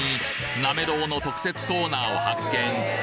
なめろうの特設コーナーを発見